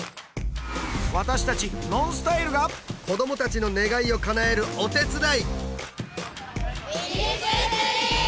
私たちＮＯＮＳＴＹＬＥが子どもたちの願いをかなえるお手伝い！